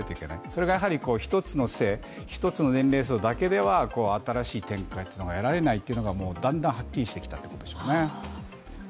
それが１つの性、１つの年齢層だけでは新しい展開がえられないということがだんだんはっきりしてきたってことでしょうね。